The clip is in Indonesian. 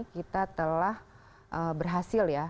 kita telah berhasil ya